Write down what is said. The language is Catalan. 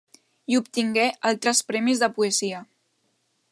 I obtingué altres premis de poesia.